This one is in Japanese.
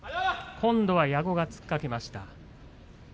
今度は矢後が突っかけました。